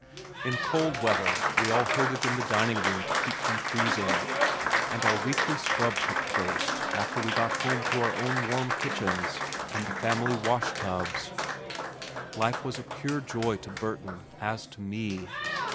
In cold weather we all herded in the dining room to keep from freezing, and our weekly scrub took place after we got home to our own warm kitchens and the family wash tubs. Life was a pure joy to Burton as to me.